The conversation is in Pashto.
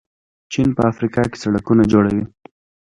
چین په افریقا کې سړکونه جوړوي.